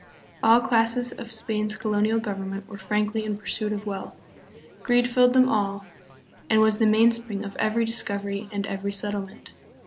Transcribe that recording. All classes of Spain's colonial government were frankly in pursuit of wealth. Greed filled them all, and was the mainspring of every discovery and every settlement.